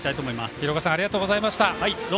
廣岡さんありがとうございました。